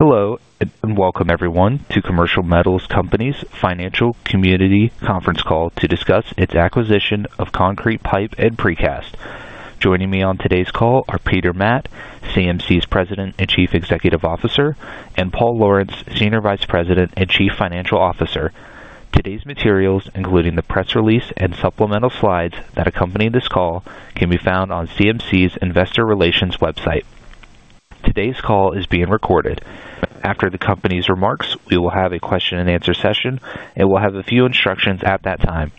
Hello, and welcome everyone to Commercial Metals Company's financial community conference call to discuss its acquisition of Concrete Pipe and Precast. Joining me on today's call are Peter Matt, CMC's President and Chief Executive Officer, and Paul Lawrence, Senior Vice President and Chief Financial Officer. Today's materials, including the press release and supplemental slides that accompany this call, can be found on CMC's Investor Relations website. Today's call is being recorded. After the company's remarks, we will have a question and answer session, and we'll have a few instructions at that time.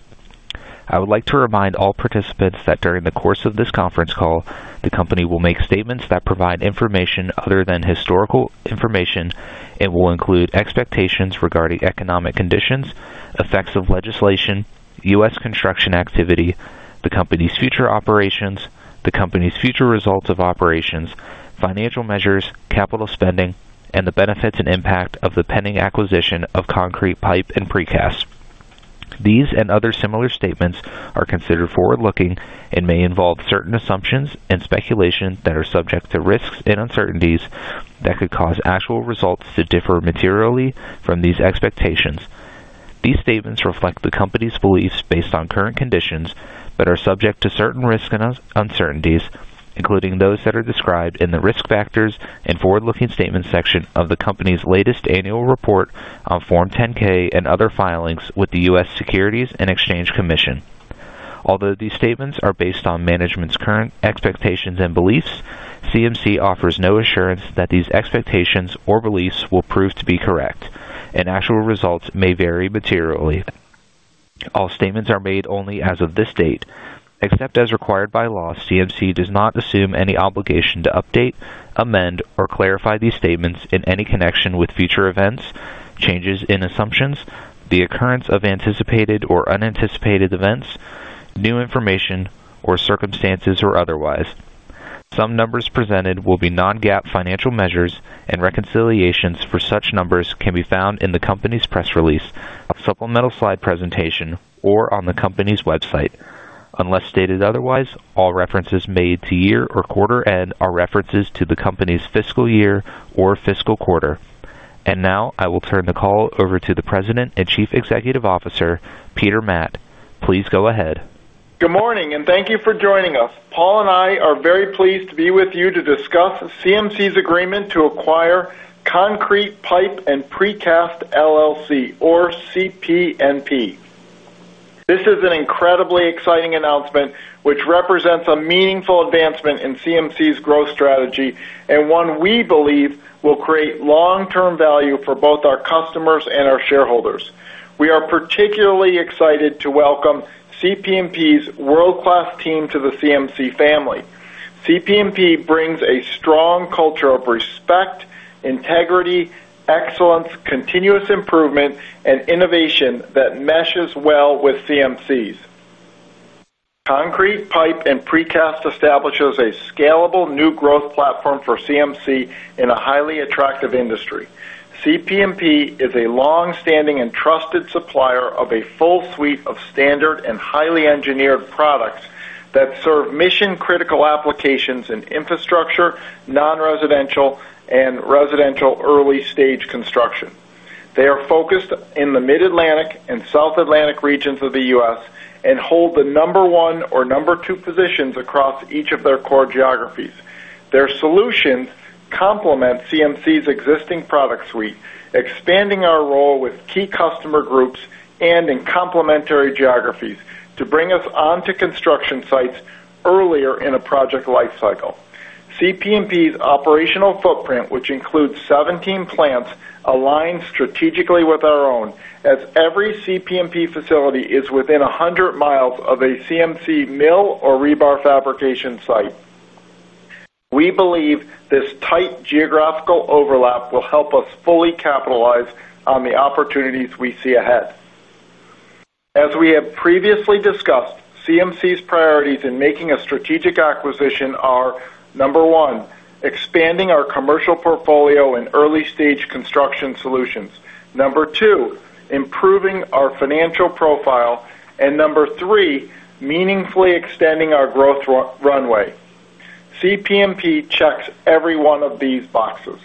I would like to remind all participants that during the course of this conference call, the company will make statements that provide information other than historical information and will include expectations regarding economic conditions, effects of legislation, U.S. construction activity, the company's future operations, the company's future results of operations, financial measures, capital spending, and the benefits and impact of the pending acquisition of Concrete Pipe and Precast. These and other similar statements are considered forward-looking and may involve certain assumptions and speculation that are subject to risks and uncertainties that could cause actual results to differ materially from these expectations. These statements reflect the company's beliefs based on current conditions but are subject to certain risks and uncertainties, including those that are described in the Risk Factors and Forward-Looking Statements section of the company's latest annual report on Form 10-K and other filings with the U.S. Securities and Exchange Commission. Although these statements are based on management's current expectations and beliefs, CMC offers no assurance that these expectations or beliefs will prove to be correct, and actual results may vary materially. All statements are made only as of this date. Except as required by law, CMC does not assume any obligation to update, amend, or clarify these statements in any connection with future events, changes in assumptions, the occurrence of anticipated or unanticipated events, new information, or circumstances or otherwise. Some numbers presented will be non-GAAP financial measures, and reconciliations for such numbers can be found in the company's press release, a supplemental slide presentation, or on the company's website. Unless stated otherwise, all references made to year or quarter end are references to the company's fiscal year or fiscal quarter. I will turn the call over to the President and Chief Executive Officer, Peter Matt. Please go ahead. Good morning, and thank you for joining us. Paul and I are very pleased to be with you to discuss CMC's agreement to acquire Concrete Pipe and Precast LLC, or CPNP. This is an incredibly exciting announcement, which represents a meaningful advancement in CMC's growth strategy and one we believe will create long-term value for both our customers and our shareholders. We are particularly excited to welcome CPNP's world-class team to the CMC family. CPNP brings a strong culture of respect, integrity, excellence, continuous improvement, and innovation that meshes well with CMC's. Concrete Pipe and Precast establishes a scalable new growth platform for CMC in a highly attractive industry. CPNP is a long-standing and trusted supplier of a full suite of standard and highly engineered products that serve mission-critical applications in infrastructure, non-residential, and residential early-stage construction. They are focused in the Mid-Atlantic and South Atlantic regions of the U.S. and hold the number one or number two positions across each of their core geographies. Their solutions complement CMC's existing product suite, expanding our role with key customer groups and in complementary geographies to bring us onto construction sites earlier in a project lifecycle. CPNP's operational footprint, which includes 17 plants, aligns strategically with our own, as every CPNP facility is within 100 mi of a CMC mill or rebar fabrication site. We believe this tight geographical overlap will help us fully capitalize on the opportunities we see ahead. As we have previously discussed, CMC's priorities in making a strategic acquisition are, number one, expanding our commercial portfolio and early-stage construction solutions. Number two, improving our financial profile. Number three, meaningfully extending our growth runway. CPNP checks every one of these boxes.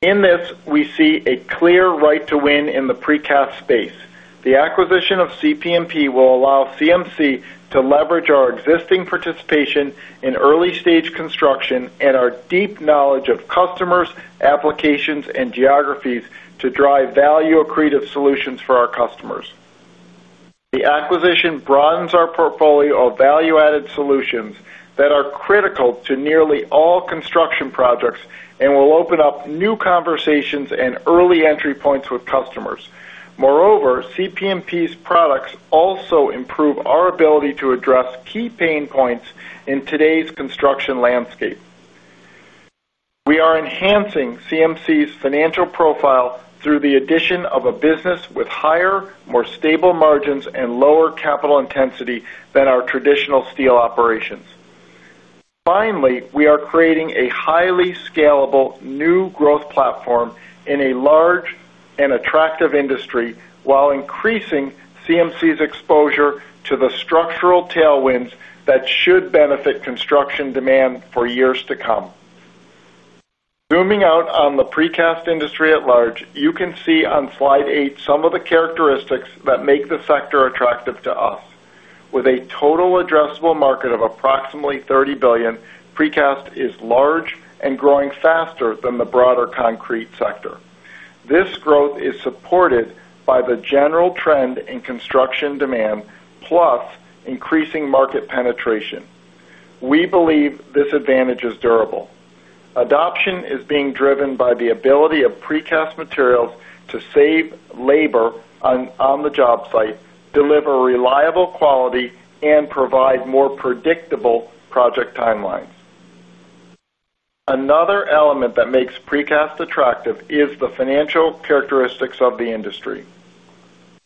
In this, we see a clear right to win in the precast space. The acquisition of CPNP will allow CMC to leverage our existing participation in early-stage construction and our deep knowledge of customers, applications, and geographies to drive value-accretive solutions for our customers. The acquisition broadens our portfolio of value-added solutions that are critical to nearly all construction projects and will open up new conversations and early entry points with customers. Moreover, CPNP's products also improve our ability to address key pain points in today's construction landscape. We are enhancing CMC's financial profile through the addition of a business with higher, more stable margins and lower capital intensity than our traditional steel operations. Finally, we are creating a highly scalable new growth platform in a large and attractive industry while increasing CMC's exposure to the structural tailwinds that should benefit construction demand for years to come. Zooming out on the precast industry at large, you can see on slide eight some of the characteristics that make the sector attractive to us. With a total addressable market of approximately $30 billion, precast is large and growing faster than the broader concrete sector. This growth is supported by the general trend in construction demand plus increasing market penetration. We believe this advantage is durable. Adoption is being driven by the ability of precast materials to save labor on the job site, deliver reliable quality, and provide more predictable project timelines. Another element that makes precast attractive is the financial characteristics of the industry.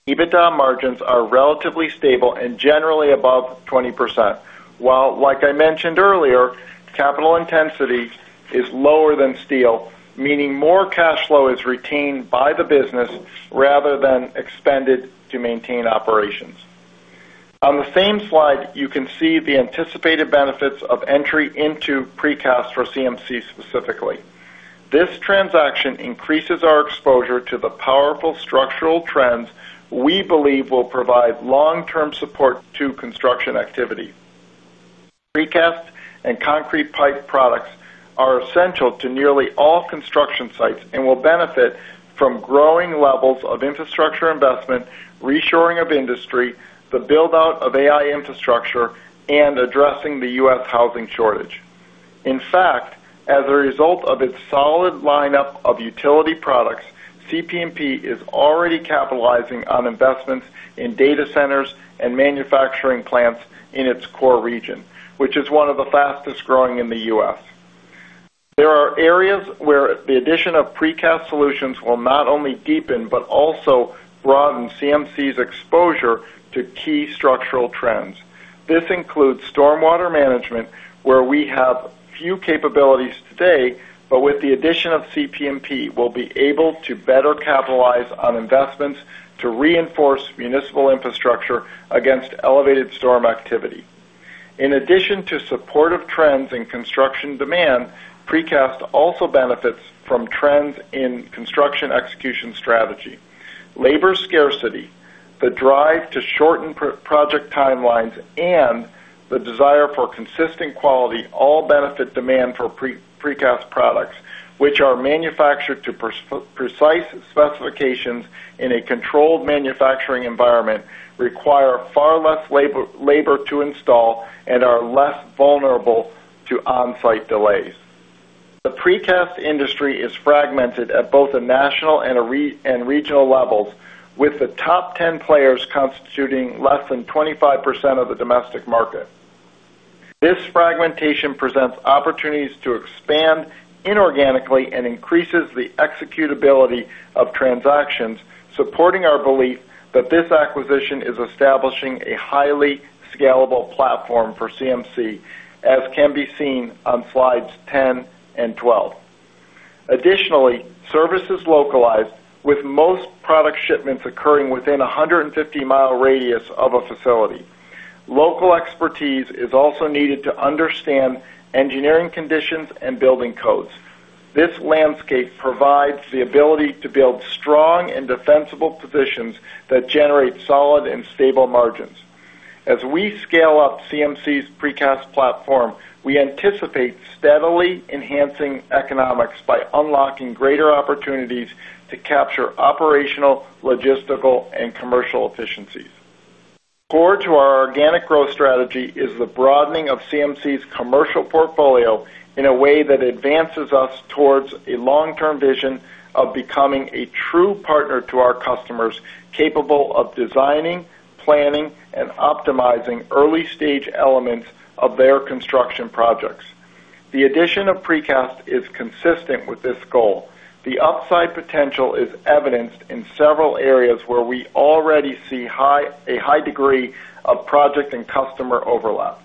EBITDA margins are relatively stable and generally above 20%, while, like I mentioned earlier, capital intensity is lower than steel, meaning more cash flow is retained by the business rather than expended to maintain operations. On the same slide, you can see the anticipated benefits of entry into precast for CMC specifically. This transaction increases our exposure to the powerful structural trends we believe will provide long-term support to construction activity. Precast and concrete pipe products are essential to nearly all construction sites and will benefit from growing levels of infrastructure investment, reshoring of industry, the build-out of AI infrastructure, and addressing the U.S. housing shortage. In fact, as a result of its solid lineup of utility products, CPNP is already capitalizing on investments in data centers and manufacturing plants in its core region, which is one of the fastest growing in the U.S. There are areas where the addition of precast solutions will not only deepen but also broaden CMC's exposure to key structural trends. This includes stormwater management, where we have few capabilities today, but with the addition of CPNP, we'll be able to better capitalize on investments to reinforce municipal infrastructure against elevated storm activity. In addition to supportive trends in construction demand, precast also benefits from trends in construction execution strategy. Labor scarcity, the drive to shorten project timelines, and the desire for consistent quality all benefit demand for precast concrete products, which are manufactured to precise specifications in a controlled manufacturing environment, require far less labor to install, and are less vulnerable to on-site delays. The precast industry is fragmented at both the national and regional levels, with the top 10 players constituting less than 25% of the domestic market. This fragmentation presents opportunities to expand inorganically and increases the executability of transactions, supporting our belief that this acquisition is establishing a highly scalable platform for CMC, as can be seen on slides 10 and 12. Additionally, service is localized, with most product shipments occurring within a 150 mi radius of a facility. Local expertise is also needed to understand engineering conditions and building codes. This landscape provides the ability to build strong and defensible positions that generate solid and stable margins. As we scale up CMC's precast platform, we anticipate steadily enhancing economics by unlocking greater opportunities to capture operational, logistical, and commercial efficiencies. Core to our organic growth strategy is the broadening of CMC's commercial portfolio in a way that advances us towards a long-term vision of becoming a true partner to our customers, capable of designing, planning, and optimizing early-stage elements of their construction projects. The addition of precast is consistent with this goal. The upside potential is evidenced in several areas where we already see a high degree of project and customer overlap.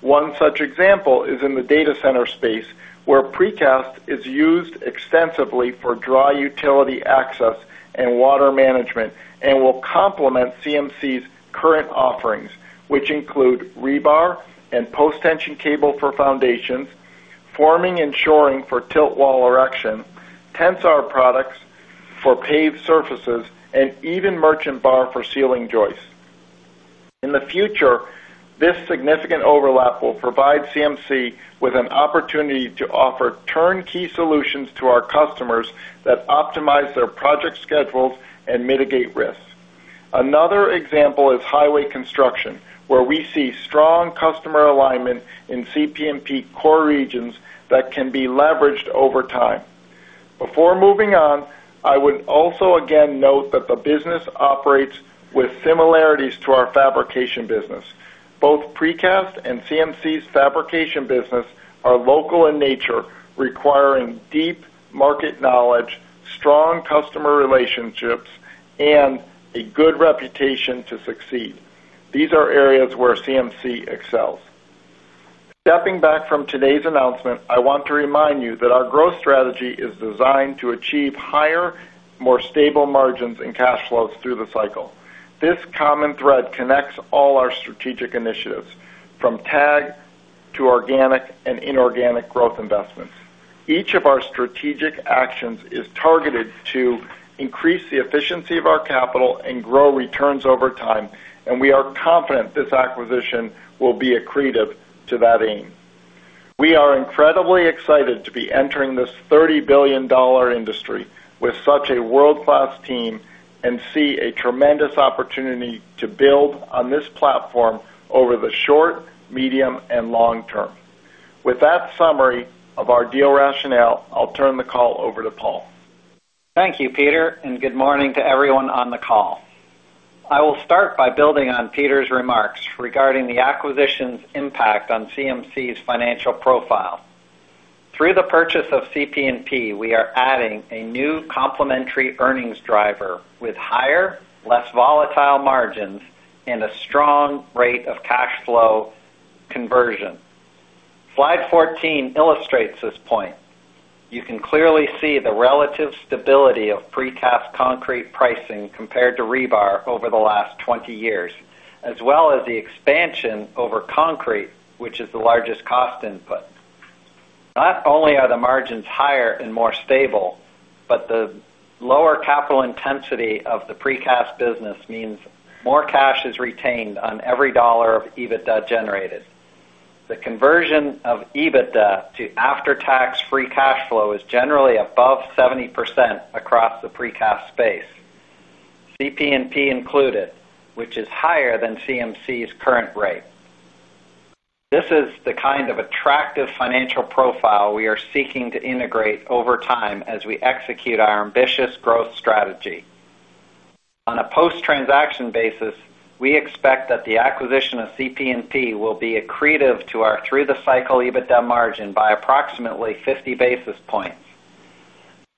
One such example is in the data center space, where precast is used extensively for dry utility access and water management and will complement CMC's current offerings, which include rebar and post-tension cable for foundations, forming and shoring for tilt wall erection, tensile products for paved surfaces, and even merchant bar for ceiling joists. In the future, this significant overlap will provide CMC with an opportunity to offer turnkey solutions to our customers that optimize their project schedules and mitigate risks. Another example is highway construction, where we see strong customer alignment in CPNP core regions that can be leveraged over time. Before moving on, I would also again note that the business operates with similarities to our fabrication business. Both precast and CMC's fabrication business are local in nature, requiring deep market knowledge, strong customer relationships, and a good reputation to succeed. These are areas where CMC excels. Stepping back from today's announcement, I want to remind you that our growth strategy is designed to achieve higher, more stable margins and cash flows through the cycle. This common thread connects all our strategic initiatives, from tag to organic and inorganic growth investments. Each of our strategic actions is targeted to increase the efficiency of our capital and grow returns over time, and we are confident this acquisition will be accretive to that aim. We are incredibly excited to be entering this $30 billion industry with such a world-class team and see a tremendous opportunity to build on this platform over the short, medium, and long term. With that summary of our deal rationale, I'll turn the call over to Paul. Thank you, Peter, and good morning to everyone on the call. I will start by building on Peter's remarks regarding the acquisition's impact on CMC's financial profile. Through the purchase of CPNP, we are adding a new complementary earnings driver with higher, less volatile margins and a strong rate of cash flow conversion. Slide 14 illustrates this point. You can clearly see the relative stability of precast concrete pricing compared to rebar over the last 20 years, as well as the expansion over concrete, which is the largest cost input. Not only are the margins higher and more stable, but the lower capital intensity of the precast business means more cash is retained on every dollar of EBITDA generated. The conversion of EBITDA to after-tax free cash flow is generally above 70% across the precast space, CPNP included, which is higher than CMC's current rate. This is the kind of attractive financial profile we are seeking to integrate over time as we execute our ambitious growth strategy. On a post-transaction basis, we expect that the acquisition of CPNP will be accretive to our through-the-cycle EBITDA margin by approximately 50 basis points.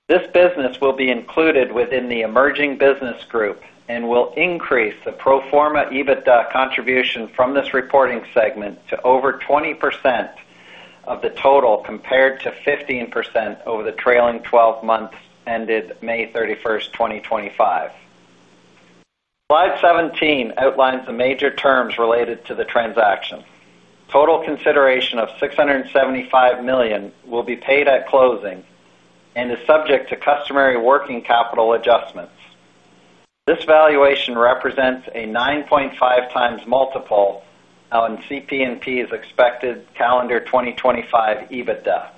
This business will be included within the emerging business group and will increase the pro forma EBITDA contribution from this reporting segment to over 20% of the total compared to 15% over the trailing 12 months ended May 31st, 2025. Slide 17 outlines the major terms related to the transaction. Total consideration of $675 million will be paid at closing and is subject to customary working capital adjustments. This valuation represents a 9.5x multiple on CPNP's expected calendar 2025 EBITDA.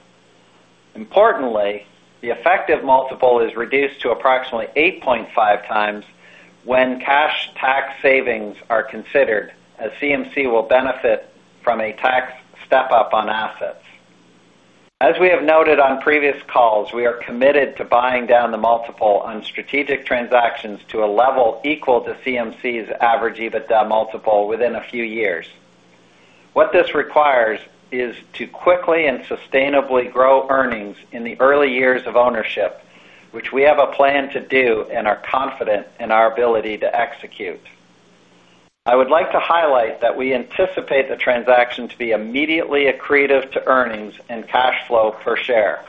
Importantly, the effective multiple is reduced to approximately 8.5x when cash tax savings are considered, as CMC will benefit from a tax step-up on assets. As we have noted on previous calls, we are committed to buying down the multiple on strategic transactions to a level equal to CMC's average EBITDA multiple within a few years. What this requires is to quickly and sustainably grow earnings in the early years of ownership, which we have a plan to do and are confident in our ability to execute. I would like to highlight that we anticipate the transaction to be immediately accretive to earnings and cash flow per share.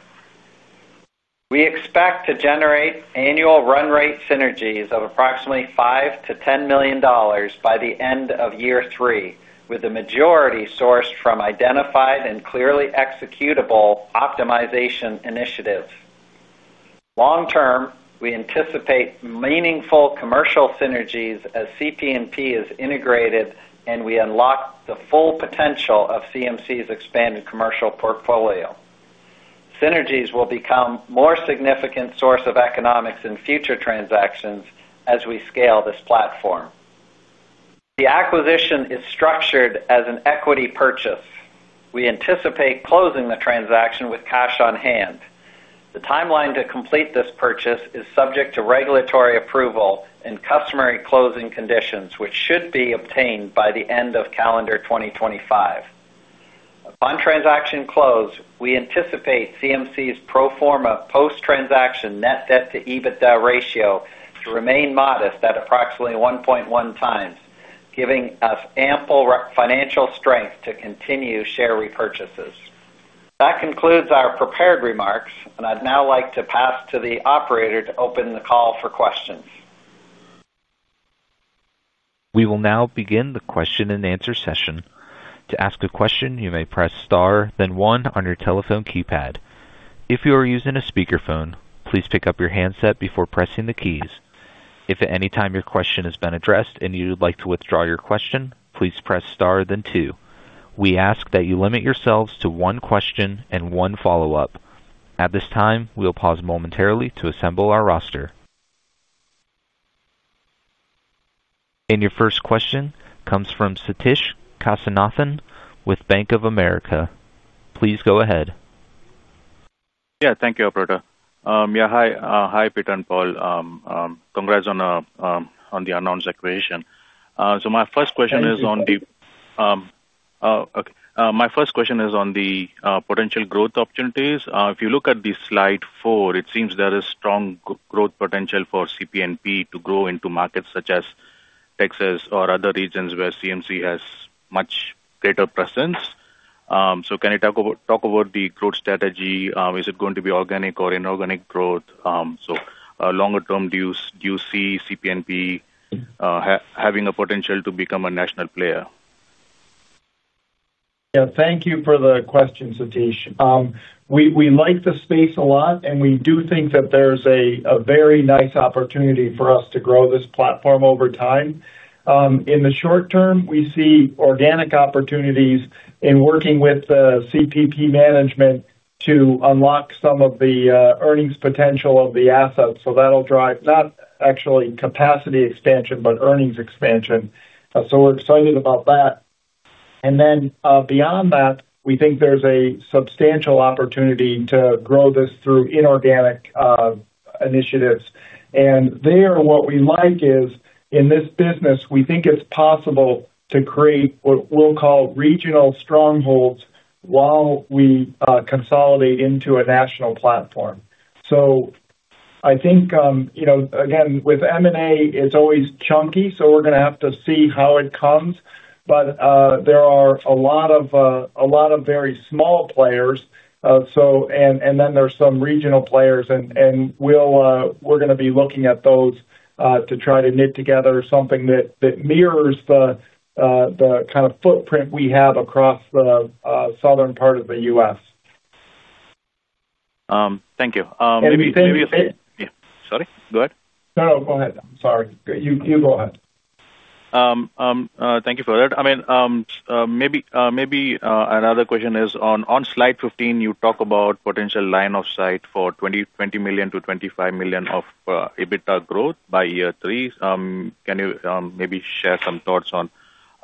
We expect to generate annual run-rate synergies of approximately $5 million - $10 million by the end of year three, with the majority sourced from identified and clearly executable optimization initiatives. Long term, we anticipate meaningful commercial synergies as CPNP is integrated and we unlock the full potential of CMC's expanded commercial portfolio. Synergies will become a more significant source of economics in future transactions as we scale this platform. The acquisition is structured as an equity purchase. We anticipate closing the transaction with cash on hand. The timeline to complete this purchase is subject to regulatory approval and customary closing conditions, which should be obtained by the end of calendar 2025. Upon transaction close, we anticipate CMC's pro forma post-transaction net debt to EBITDA ratio to remain modest at approximately 1.1 times, giving us ample financial strength to continue share repurchases. That concludes our prepared remarks, and I'd now like to pass to the operator to open the call for questions. We will now begin the question and answer session. To ask a question, you may press star, then one on your telephone keypad. If you are using a speakerphone, please pick up your handset before pressing the keys. If at any time your question has been addressed and you would like to withdraw your question, please press star, then two. We ask that you limit yourselves to one question and one follow-up. At this time, we'll pause momentarily to assemble our roster. Your first question comes from Sathish Kasinathan with Bank of America. Please go ahead. Thank you, Alberta. Hi, Peter and Paul. Congrats on the announced acquisition. My first question is on the potential growth opportunities. If you look at slide four, it seems there is strong growth potential for CPNP to grow into markets such as Texas or other regions where CMC has much greater presence. Can you talk about the growth strategy? Is it going to be organic or inorganic growth? Longer term, do you see CPNP having a potential to become a national player? Yeah, thank you for the question, Sathish. We like the space a lot, and we do think that there's a very nice opportunity for us to grow this platform over time. In the short term, we see organic opportunities in working with the CPNP management to unlock some of the earnings potential of the assets. That'll drive not actually capacity expansion, but earnings expansion. We're excited about that. Beyond that, we think there's a substantial opportunity to grow this through inorganic initiatives. What we like is in this business, we think it's possible to create what we'll call regional strongholds while we consolidate into a national platform. With M&A, it's always chunky, so we're going to have to see how it comes. There are a lot of very small players, and then there's some regional players, and we're going to be looking at those to try to knit together something that mirrors the kind of footprint we have across the southern part of the U.S. Thank you. Anything. Yeah, sorry. Go ahead. No, go ahead. Sorry, you go ahead. Thank you for that. Maybe another question is on slide 15, you talk about potential line of sight for $20 million - $25 million of EBITDA growth by year three. Can you maybe share some thoughts on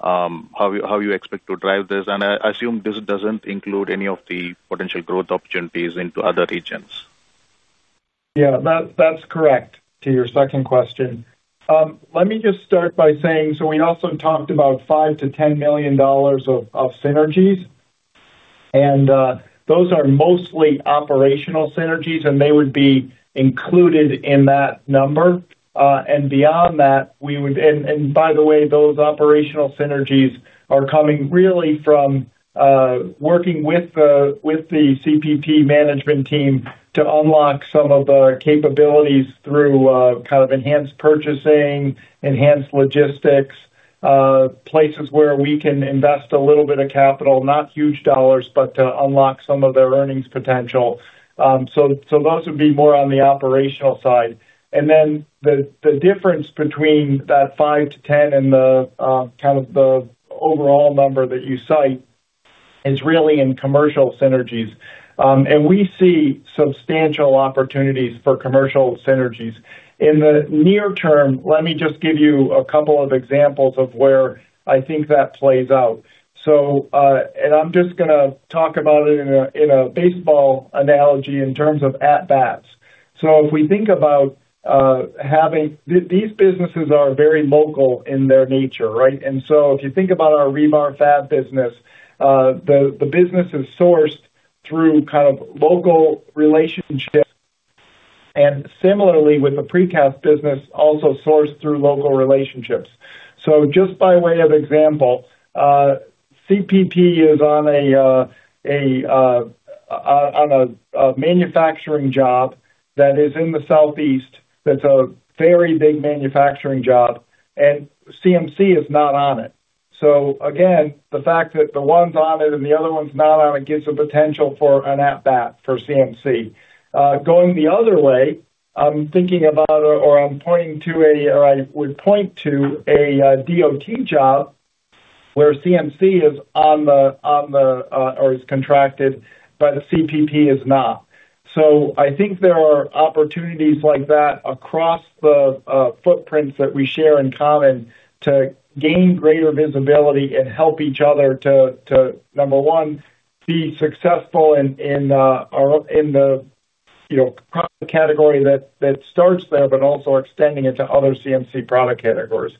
how you expect to drive this? I assume this doesn't include any of the potential growth opportunities into other regions. Yeah, that's correct to your second question. Let me just start by saying, we also talked about $5 million - $10 million of synergies, and those are mostly operational synergies, and they would be included in that number. Beyond that, those operational synergies are coming really from working with the CPNP management team to unlock some of the capabilities through kind of enhanced purchasing, enhanced logistics, places where we can invest a little bit of capital, not huge dollars, but to unlock some of their earnings potential. Those would be more on the operational side. The difference between that $5 million - $10 million and the overall number that you cite is really in commercial synergies, and we see substantial opportunities for commercial synergies. In the near term, let me give you a couple of examples of where I think that plays out. I'm just going to talk about it in a baseball analogy in terms of at-bats. If we think about having, these businesses are very local in their nature, right? If you think about our rebar fab business, the business is sourced through kind of local relationships, and similarly with the precast business, also sourced through local relationships. Just by way of example, CPNP is on a manufacturing job that is in the Southeast. That's a very big manufacturing job, and CMC is not on it. The fact that one's on it and the other one's not on it gives the potential for an at-bat for CMC. Going the other way, I would point to a DOT job where CMC is contracted, but CPNP is not. I think there are opportunities like that across the footprints that we share in common to gain greater visibility and help each other to, number one, be successful in the product category that starts there, but also extending it to other CMC product categories.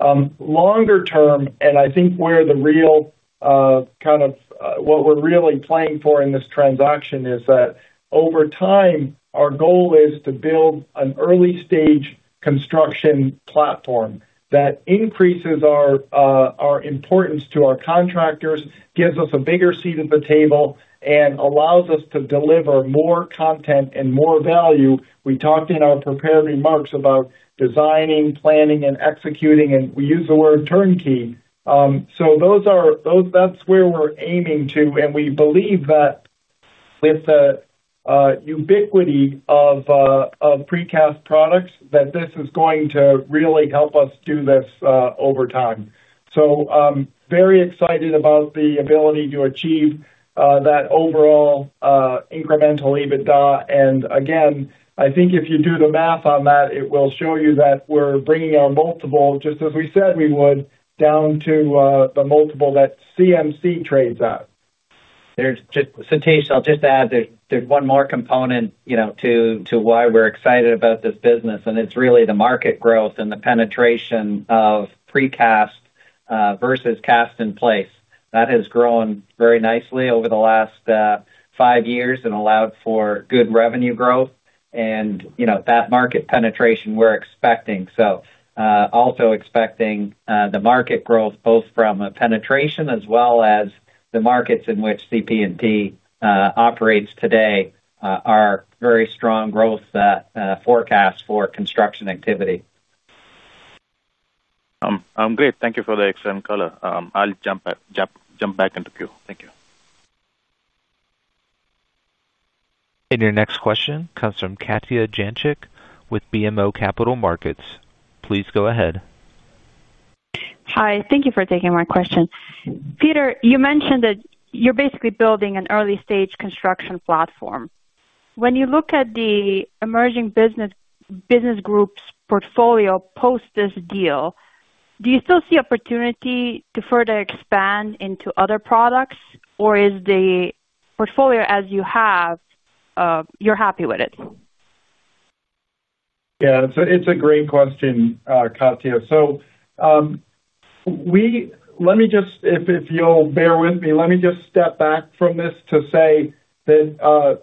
Longer term, and I think where the real, kind of what we're really playing for in this transaction is that over time, our goal is to build an early-stage construction platform that increases our importance to our contractors, gives us a bigger seat at the table, and allows us to deliver more content and more value. We talked in our prepared remarks about designing, planning, and executing, and we use the word turnkey. That's where we're aiming to, and we believe that with the ubiquity of precast products, this is going to really help us do this over time. Very excited about the ability to achieve that overall incremental EBITDA. Again, I think if you do the math on that, it will show you that we're bringing our multiple, just as we said we would, down to the multiple that CMC trades at. Sathish, I'll just add there's one more component to why we're excited about this business, and it's really the market growth and the penetration of precast versus cast in place. That has grown very nicely over the last five years and allowed for good revenue growth, and that market penetration we're expecting. Also expecting the market growth both from a penetration as well as the markets in which CPNP operates today are very strong growth forecasts for construction activity. I'm great. Thank you for the excellent color. I'll jump back into Q. Thank you. Your next question comes from Katja Jancic with BMO Capital Markets. Please go ahead. Hi, thank you for taking my question. Peter, you mentioned that you're basically building an early-stage construction platform. When you look at the emerging business groups' portfolio post this deal, do you still see opportunity to further expand into other products, or is the portfolio as you have, you're happy with it? Yeah, it's a great question, Katja. If you'll bear with me, let me just step back from this to say that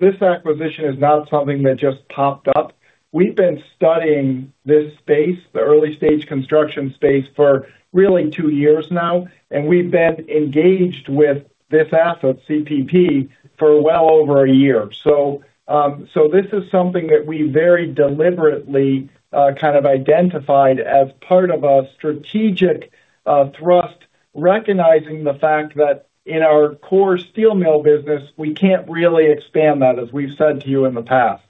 this acquisition is not something that just popped up. We've been studying this space, the early-stage construction space, for really two years now, and we've been engaged with this asset, CPNP, for well over a year. This is something that we very deliberately kind of identified as part of a strategic thrust, recognizing the fact that in our core steel mill business, we can't really expand that, as we've said to you in the past.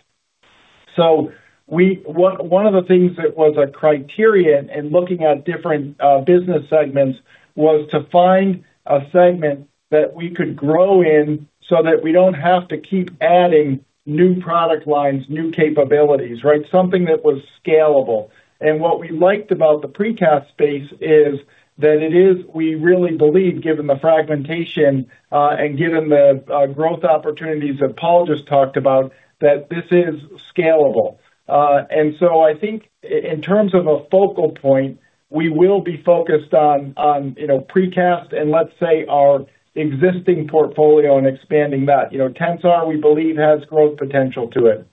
One of the things that was a criterion in looking at different business segments was to find a segment that we could grow in so that we don't have to keep adding new product lines, new capabilities, right? Something that was scalable. What we liked about the precast space is that it is, we really believe, given the fragmentation and given the growth opportunities that Paul just talked about, that this is scalable. I think in terms of a focal point, we will be focused on precast and let's say our existing portfolio and expanding that. Tensar, we believe, has growth potential to it.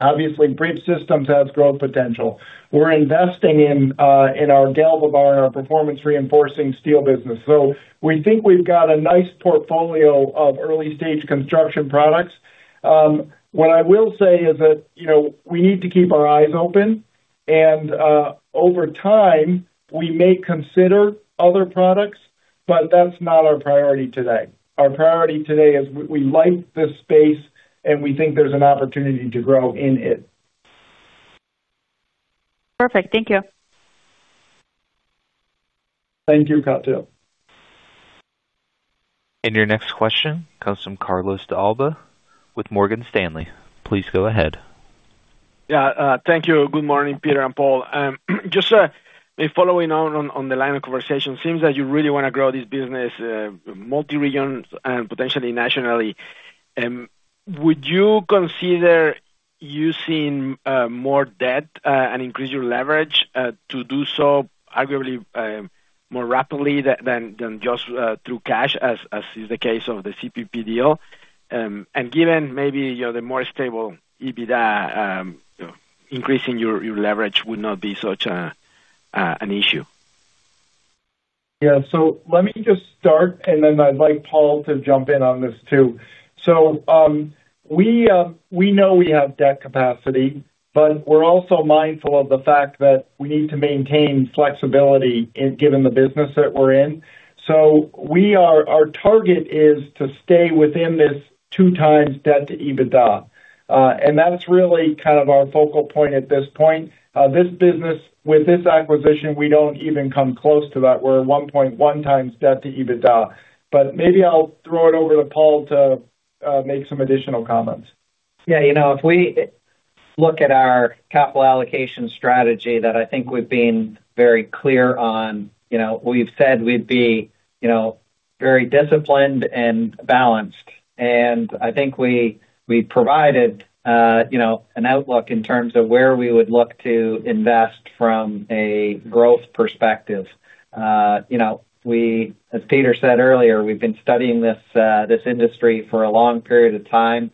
Obviously, Bridge Systems has growth potential. We're investing in our GalvaBar, our performance-reinforcing steel business. We think we've got a nice portfolio of early-stage construction products. What I will say is that we need to keep our eyes open, and over time, we may consider other products, but that's not our priority today. Our priority today is we like this space, and we think there's an opportunity to grow in it. Perfect. Thank you. Thank you, Katja. Your next question comes from Carlos D'Alba with Morgan Stanley. Please go ahead. Yeah, thank you. Good morning, Peter and Paul. Just following on the line of conversation, it seems that you really want to grow this business, multi-region and potentially nationally. Would you consider using more debt and increase your leverage to do so arguably more rapidly than just through cash, as is the case of the CPNP deal? Given maybe the more stable EBITDA, increasing your leverage would not be such an issue. Let me just start, and then I'd like Paul to jump in on this too. We know we have debt capacity, but we're also mindful of the fact that we need to maintain flexibility given the business that we're in. Our target is to stay within this 2x net debt to EBITDA. That's really kind of our focal point at this point. This business, with this acquisition, we don't even come close to that. We're at 1.1x net debt to EBITDA. Maybe I'll throw it over to Paul to make some additional comments. Yeah, you know, if we look at our capital allocation strategy that I think we've been very clear on, we've said we'd be very disciplined and balanced. I think we provided an outlook in terms of where we would look to invest from a growth perspective. As Peter said earlier, we've been studying this industry for a long period of time.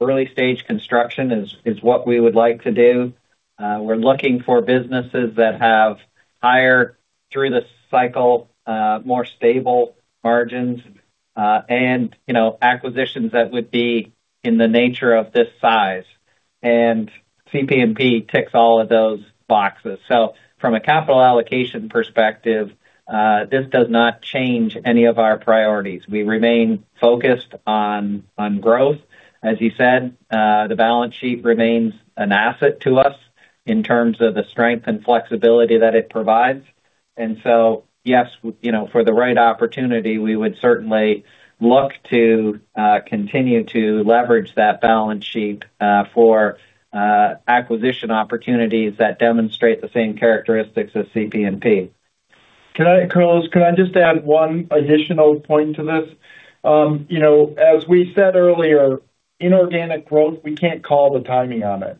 Early-stage construction is what we would like to do. We're looking for businesses that have higher through the cycle, more stable margins, and acquisitions that would be in the nature of this size. CPNP ticks all of those boxes. From a capital allocation perspective, this does not change any of our priorities. We remain focused on growth. As you said, the balance sheet remains an asset to us in terms of the strength and flexibility that it provides. Yes, for the right opportunity, we would certainly look to continue to leverage that balance sheet for acquisition opportunities that demonstrate the same characteristics as CPNP. Carlos, can I just add one additional point to this? As we said earlier, inorganic growth, we can't call the timing on it.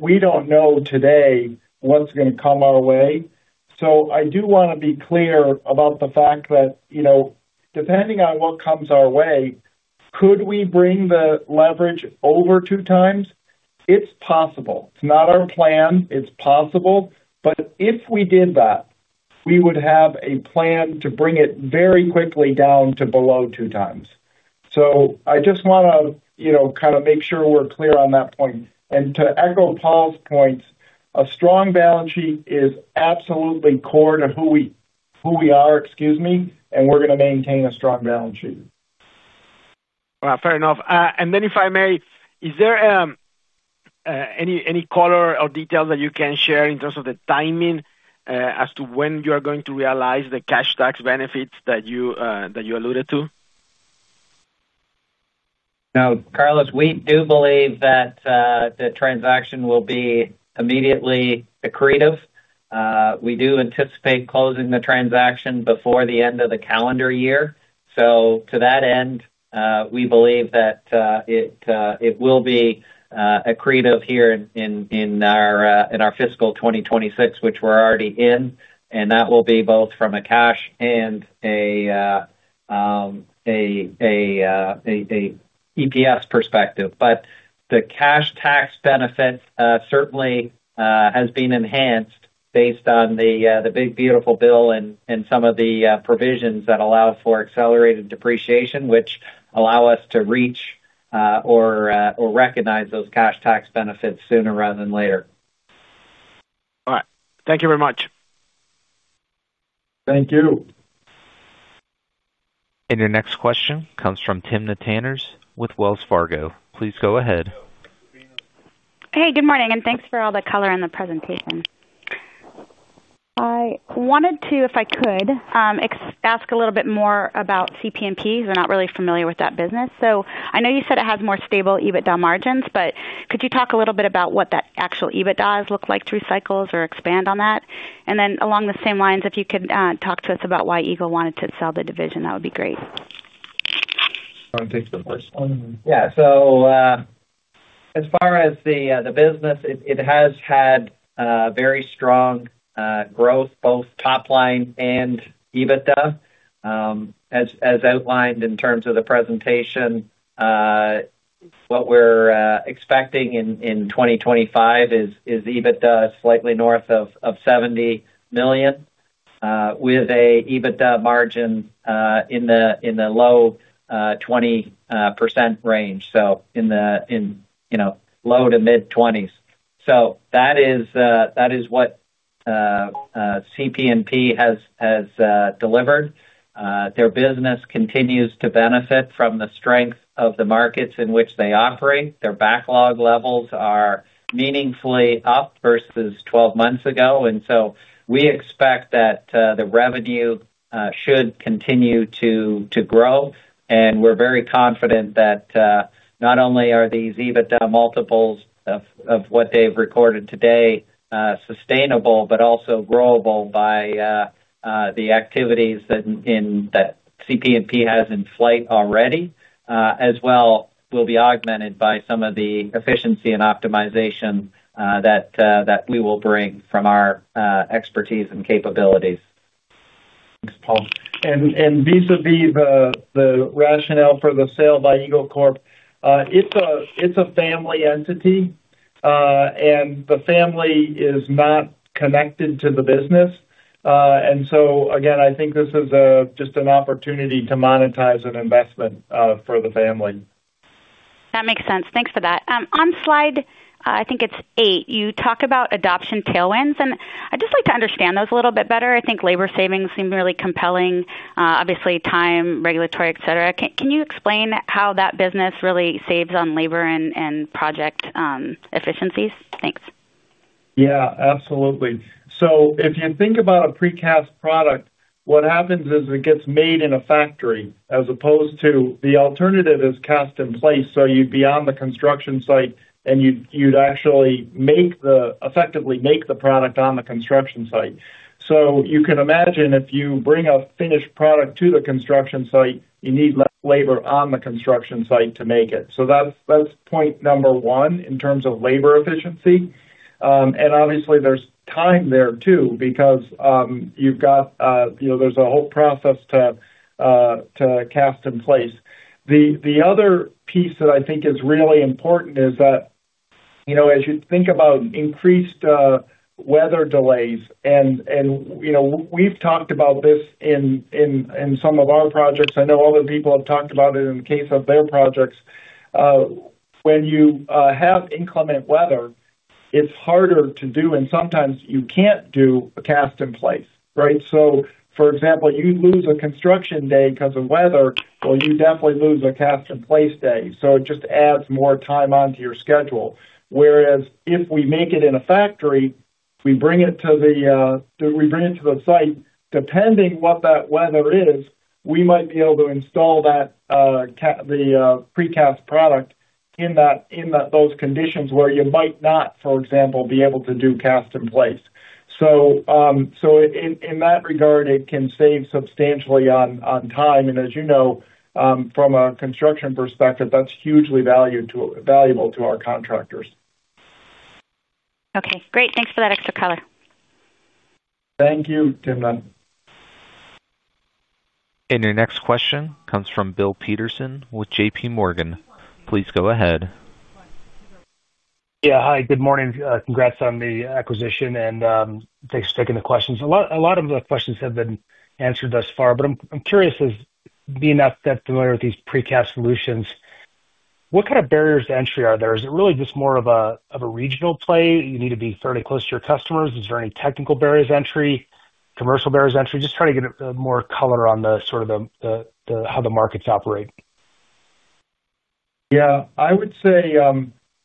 We don't know today what's going to come our way. I do want to be clear about the fact that, depending on what comes our way, could we bring the leverage over two times? It's possible. It's not our plan. It's possible. If we did that, we would have a plan to bring it very quickly down to below two times. I just want to make sure we're clear on that point. To echo Paul's points, a strong balance sheet is absolutely core to who we are, excuse me, and we're going to maintain a strong balance sheet. Is there any color or detail that you can share in terms of the timing as to when you are going to realize the cash tax benefits that you alluded to? No, Carlos, we do believe that the transaction will be immediately accretive. We do anticipate closing the transaction before the end of the calendar year. To that end, we believe that it will be accretive here in our fiscal 2026, which we're already in. That will be both from a cash and an EPS perspective. The cash tax benefit certainly has been enhanced based on the big, beautiful bill and some of the provisions that allow for accelerated depreciation, which allow us to reach or recognize those cash tax benefits sooner rather than later. All right. Thank you very much. Thank you. Your next question comes from Timna Tanners with Wells Fargo. Please go ahead. Hey, good morning, and thanks for all the color and the presentation. I wanted to, if I could, ask a little bit more about CPNP because we're not really familiar with that business. I know you said it has more stable EBITDA margins, but could you talk a little bit about what that actual EBITDA has looked like through cycles or expand on that? Along the same lines, if you could talk to us about why Eagle wanted to sell the division, that would be great. I'll take the first one. Yeah, as far as the business, it has had very strong growth, both top line and EBITDA. As outlined in terms of the presentation, what we're expecting in 2025 is EBITDA slightly north of $70 million, with an EBITDA margin in the low 20% range, so in the low to mid-20%. That is what CPNP has delivered. Their business continues to benefit from the strength of the markets in which they operate. Their backlog levels are meaningfully up versus 12 months ago. We expect that the revenue should continue to grow. We're very confident that not only are these EBITDA multiples of what they've recorded today sustainable, but also growable by the activities that CPNP has in flight already, as well will be augmented by some of the efficiency and optimization that we will bring from our expertise and capabilities. Regarding the rationale for the sale by Eagle Corp, it's a family entity, and the family is not connected to the business. I think this is just an opportunity to monetize an investment for the family. That makes sense. Thanks for that. On slide, I think it's eight, you talk about adoption tailwinds, and I'd just like to understand those a little bit better. I think labor savings seem really compelling. Obviously, time, regulatory, etc. Can you explain how that business really saves on labor and project efficiencies? Thanks. Yeah, absolutely. If you think about a precast concrete product, what happens is it gets made in a factory, as opposed to the alternative, which is cast in place. You would be on the construction site, and you'd actually effectively make the product on the construction site. You can imagine if you bring a finished product to the construction site, you need less labor on the construction site to make it. That's point number one in terms of labor efficiency. Obviously, there's time there too, because there's a whole process to cast in place. The other piece that I think is really important is that, as you think about increased weather delays, and we've talked about this in some of our projects, I know other people have talked about it in the case of their projects. When you have inclement weather, it's harder to do, and sometimes you can't do a cast in place, right? For example, you lose a construction day because of weather, you definitely lose a cast in place day. It just adds more time onto your schedule. Whereas if we make it in a factory, if we bring it to the site, depending on what that weather is, we might be able to install the precast concrete product in those conditions where you might not, for example, be able to do cast in place. In that regard, it can save substantially on time. As you know, from a construction perspective, that's hugely valuable to our contractors. Okay, great. Thanks for that extra color. Thank you, Tim. Your next question comes from Bill Peterson with JPMorgan Chase. Please go ahead. Yeah, hi, good morning. Congrats on the acquisition, and thanks for taking the questions. A lot of the questions have been answered thus far, but I'm curious, as being not that familiar with these precast concrete products, what kind of barriers to entry are there? Is it really just more of a regional play? You need to be fairly close to your customers? Is there any technical barriers to entry, commercial barriers to entry? Just trying to get more color on the sort of how the markets operate. Yeah, I would say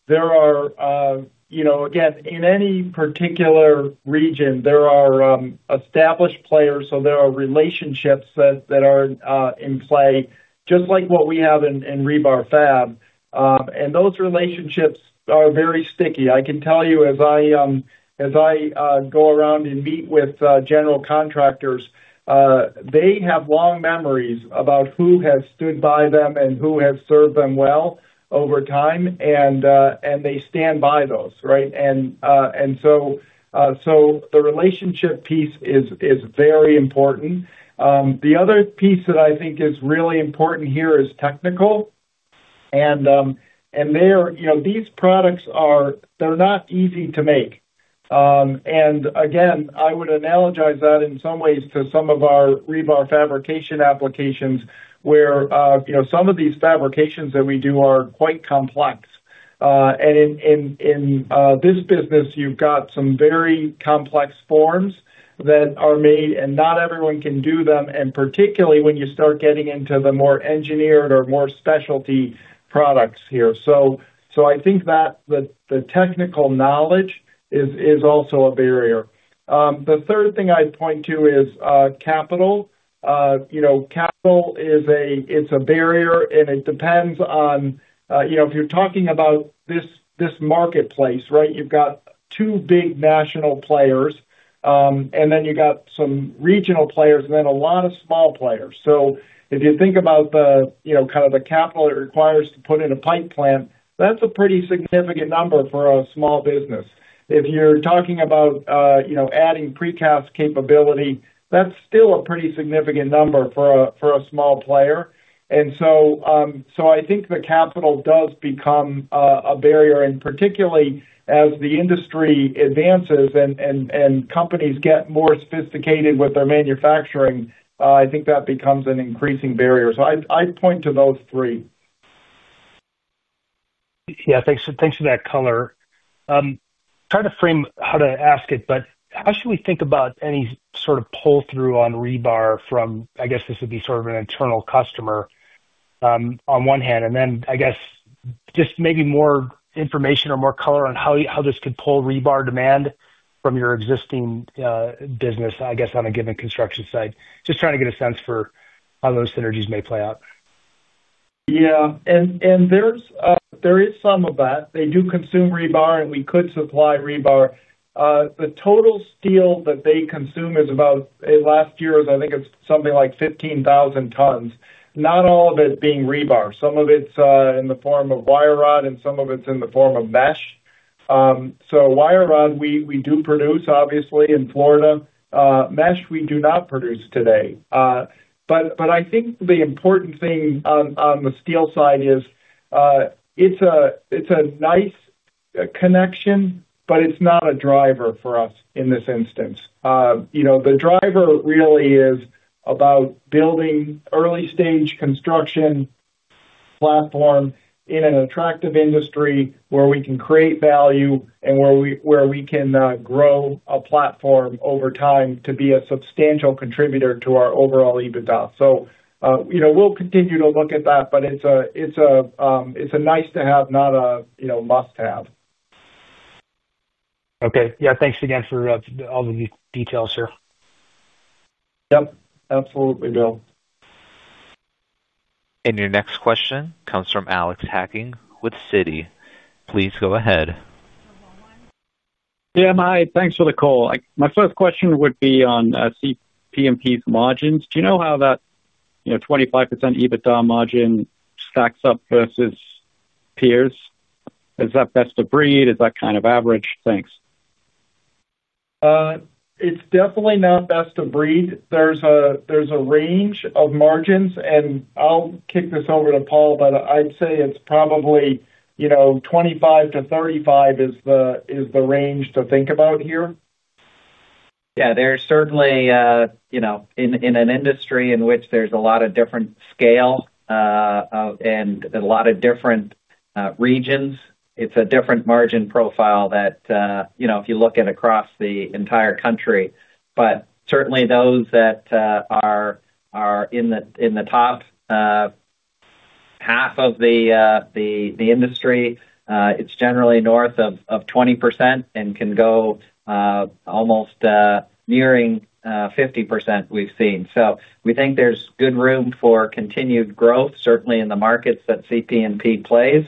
there are, you know, again, in any particular region, there are established players. There are relationships that are in play, just like what we have in rebar fab, and those relationships are very sticky. I can tell you, as I go around and meet with general contractors, they have long memories about who has stood by them and who has served them well over time, and they stand by those, right? The relationship piece is very important. The other piece that I think is really important here is technical. These products are not easy to make. I would analogize that in some ways to some of our rebar fabrication applications where some of these fabrications that we do are quite complex. In this business, you've got some very complex forms that are made, and not everyone can do them, particularly when you start getting into the more engineered or more specialty products here. I think that the technical knowledge is also a barrier. The third thing I'd point to is capital. Capital is a barrier, and it depends on if you're talking about this marketplace, right? You've got two big national players, then you've got some regional players, and then a lot of small players. If you think about the kind of capital it requires to put in a pipe plant, that's a pretty significant number for a small business. If you're talking about adding precast capability, that's still a pretty significant number for a small player. I think the capital does become a barrier, particularly as the industry advances and companies get more sophisticated with their manufacturing. I think that becomes an increasing barrier. I'd point to those three. Yeah, thanks for that color. Trying to frame how to ask it, but how should we think about any sort of pull-through on rebar from, I guess this would be sort of an internal customer on one hand, and then I guess just maybe more information or more color on how this could pull rebar demand from your existing business, I guess, on a given construction site. Just trying to get a sense for how those synergies may play out? Yeah, there is some of that. They do consume rebar, and we could supply rebar. The total steel that they consume is about, last year was, I think it's something like 15,000 tons, not all of it being rebar. Some of it's in the form of wire rod, and some of it's in the form of mesh. Wire rod, we do produce, obviously, in Florida. Mesh, we do not produce today. I think the important thing on the steel side is it's a nice connection, but it's not a driver for us in this instance. The driver really is about building early-stage construction platform in an attractive industry where we can create value and where we can grow a platform over time to be a substantial contributor to our overall EBITDA. We'll continue to look at that, but it's a nice-to-have, not a must-have. Okay, yeah, thanks again for all the details, sir. Yep, absolutely, Bill. Your next question comes from Alex Hacking with Citi. Please go ahead. Yeah, hi, thanks for the call. My first question would be on CPNP's margins. Do you know how that, you know, 25% EBITDA margin stacks up versus peers? Is that best of breed? Is that kind of average? Thanks. It's definitely not best of breed. There's a range of margins, and I'll take this over to Paul, but I'd say it's probably, you know, 25% - 35% is the range to think about here. Yeah, there's certainly, you know, in an industry in which there's a lot of different scale and a lot of different regions, it's a different margin profile that, you know, if you look at across the entire country. Certainly, those that are in the top half of the industry, it's generally north of 20% and can go almost nearing 50% we've seen. We think there's good room for continued growth, certainly in the markets that CPNP plays.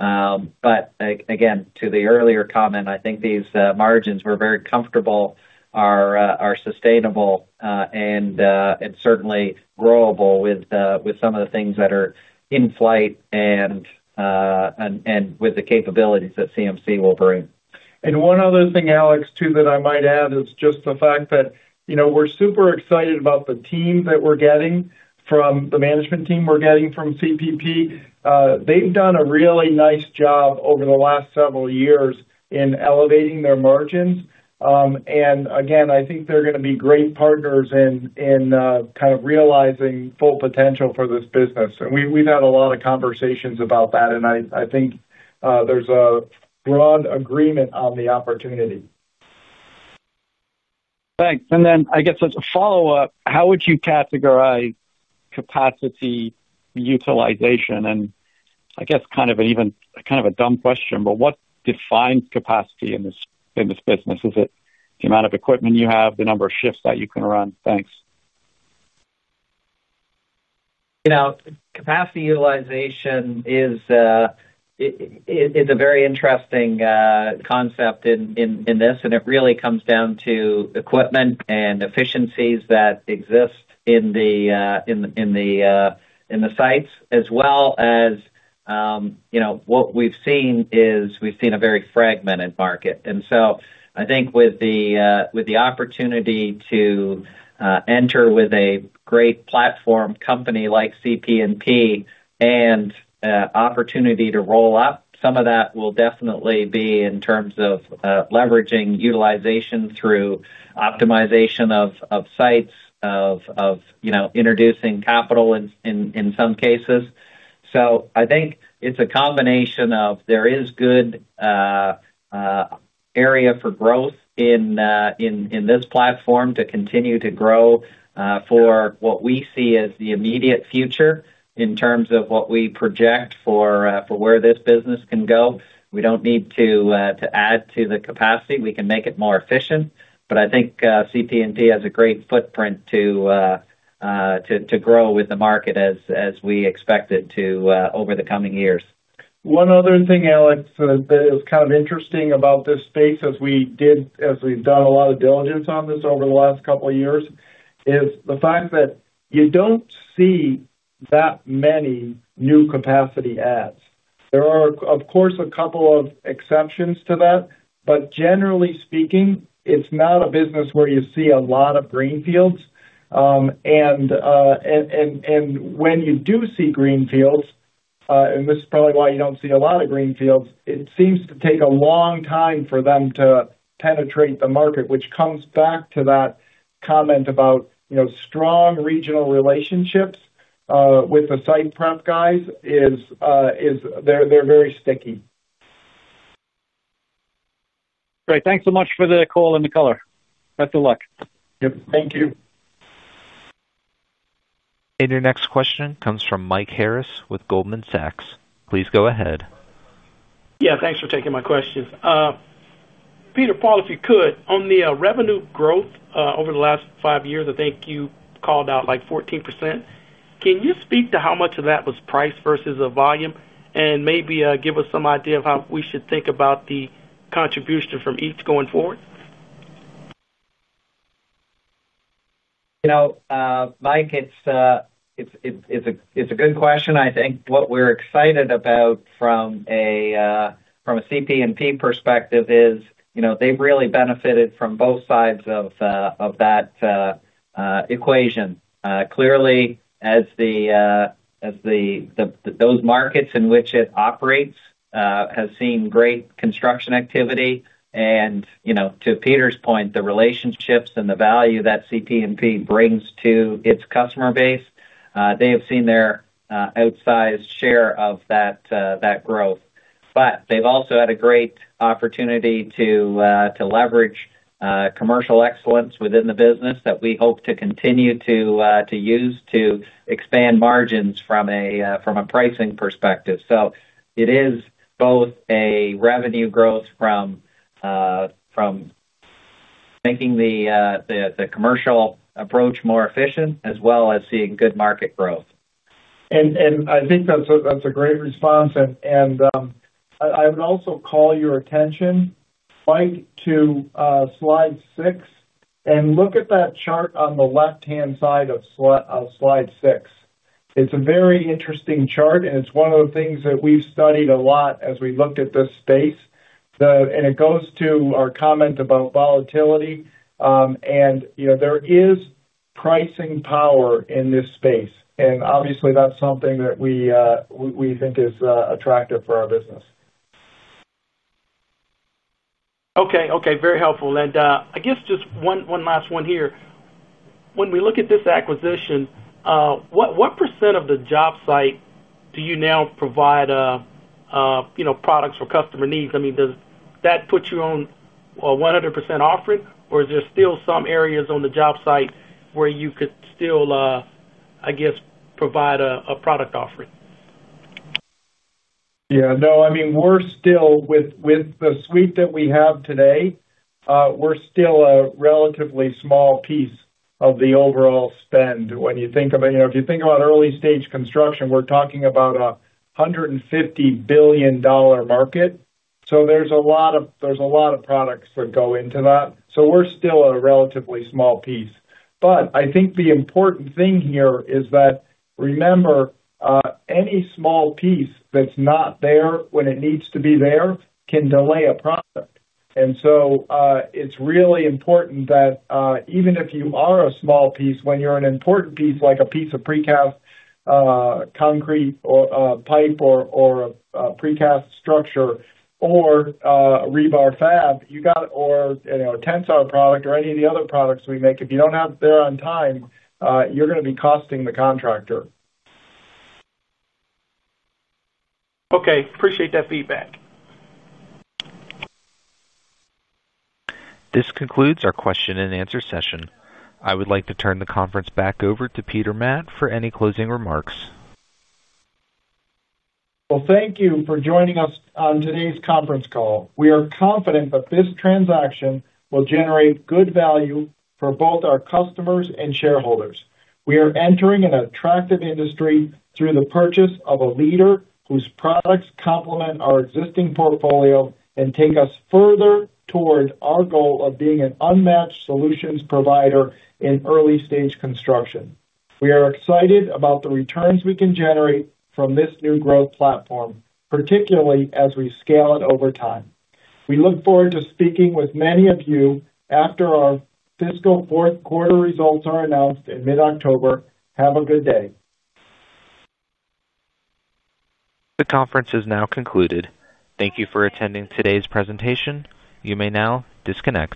Again, to the earlier comment, I think these margins we're very comfortable are sustainable, and certainly growable with some of the things that are in flight and with the capabilities that CMC will bring. One other thing, Alex, that I might add is just the fact that we're super excited about the teams that we're getting from the management team we're getting from CPNP. They've done a really nice job over the last several years in elevating their margins. I think they're going to be great partners in kind of realizing full potential for this business. We've had a lot of conversations about that, and I think there's a broad agreement on the opportunity. Thanks. As a follow-up, how would you categorize capacity utilization? What defines capacity in this business? Is it the amount of equipment you have, the number of shifts that you can run? Thanks. You know, capacity utilization is a very interesting concept in this, and it really comes down to equipment and efficiencies that exist in the sites as well as what we've seen is we've seen a very fragmented market. I think with the opportunity to enter with a great platform company like CPNP and the opportunity to roll out, some of that will definitely be in terms of leveraging utilization through optimization of sites, of introducing capital in some cases. I think it's a combination of there is good area for growth in this platform to continue to grow for what we see as the immediate future in terms of what we project for where this business can go. We don't need to add to the capacity. We can make it more efficient. I think CPNP has a great footprint to grow with the market as we expect it to over the coming years. One other thing, Alex, that is kind of interesting about this space, as we've done a lot of diligence on this over the last couple of years, is the fact that you don't see that many new capacity adds. There are, of course, a couple of exceptions to that, but generally speaking, it's not a business where you see a lot of greenfields. When you do see greenfields, and this is probably why you don't see a lot of greenfields, it seems to take a long time for them to penetrate the market, which comes back to that comment about, you know, strong regional relationships with the site prep guys is they're very sticky. Great. Thanks so much for the call and the color. Best of luck. Thank you. Your next question comes from Mike Harris with Goldman Sachs. Please go ahead. Yeah, thanks for taking my questions. Peter, Paul, if you could, on the revenue growth over the last five years, I think you called out like 14%. Can you speak to how much of that was price versus the volume and maybe give us some idea of how we should think about the contribution from each going forward? You know, Mike, it's a good question. I think what we're excited about from a CPNP perspective is they've really benefited from both sides of that equation. Clearly, those markets in which it operates have seen great construction activity. To Peter's point, the relationships and the value that CPNP brings to its customer base, they have seen their outsized share of that growth. They've also had a great opportunity to leverage commercial excellence within the business that we hope to continue to use to expand margins from a pricing perspective. It is both a revenue growth from making the commercial approach more efficient, as well as seeing good market growth. I think that's a great response. I would also call your attention right to slide six and look at that chart on the left-hand side of slide six. It's a very interesting chart, and it's one of the things that we've studied a lot as we looked at this space. It goes to our comment about volatility. You know, there is pricing power in this space, and obviously, that's something that we think is attractive for our business. Okay, very helpful. I guess just one last one here. When we look at this acquisition, what % of the job site do you now provide, you know, products for customer needs? I mean, does that put you on a 100% offering, or is there still some areas on the job site where you could still, I guess, provide a product offering? Yeah, no, I mean, we're still, with the suite that we have today, we're still a relatively small piece of the overall spend. When you think about, you know, if you think about early-stage construction, we're talking about a $150 billion market. There's a lot of products that go into that. We're still a relatively small piece. I think the important thing here is that, remember, any small piece that's not there when it needs to be there can delay a project. It's really important that even if you are a small piece, when you're an important piece like a piece of precast concrete or pipe or a precast structure or a rebar fab, or a Tensar product or any of the other products we make, if you don't have it there on time, you're going to be costing the contractor. Okay, appreciate that feedback. This concludes our question and answer session. I would like to turn the conference back over to Peter Matt for any closing remarks. Thank you for joining us on today's conference call. We are confident that this transaction will generate good value for both our customers and shareholders. We are entering an attractive industry through the purchase of a leader whose products complement our existing portfolio and take us further toward our goal of being an unmatched solutions provider in early-stage construction. We are excited about the returns we can generate from this new growth platform, particularly as we scale it over time. We look forward to speaking with many of you after our fiscal fourth quarter results are announced in mid-October. Have a good day. The conference is now concluded. Thank you for attending today's presentation. You may now disconnect.